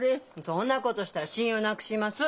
そんなことしたら信用なくします。